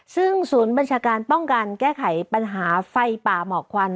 ซึ่งศูนย์บัญชาการป้องกันแก้ไขปัญหาไฟป่าหมอกควัน